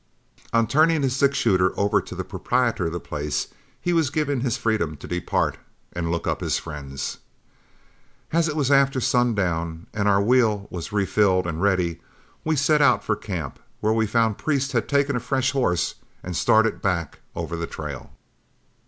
On turning his six shooter over to the proprietor of the place, he was given his freedom to depart and look up his friends. As it was after sundown, and our wheel was refilled and ready, we set out for camp, where we found that Priest had taken a fresh horse and started back over the trail.